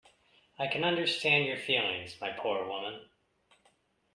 I can understand your feelings, my poor woman.